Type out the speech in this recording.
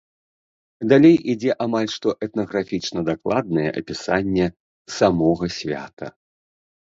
Далей ідзе амаль што этнаграфічна-дакладнае апісанне самога свята.